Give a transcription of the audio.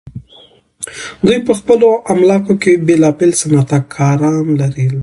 دوی په خپلو املاکو کې بیلابیل صنعتکاران لرل.